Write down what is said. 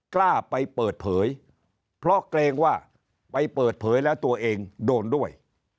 กล้าไปเปิดเผยเพราะเกรงว่าไปเปิดเผยแล้วตัวเองโดนด้วย